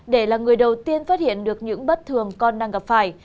để là người đầu tiên phát hiện được những bất thường con đang gặp phải